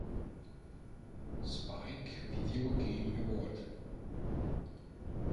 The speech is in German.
Spike Video Game Award